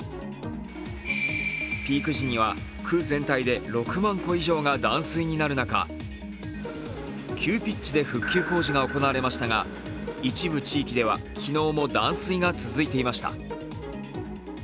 ピーク時には区全体で６万戸以上が断水になる中、急ピッチで復旧工事が行われましたが、一部地域では昨日も断水が続いていました。